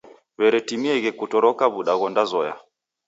W'eretimieghe kutoroka w'uda ghondazoya.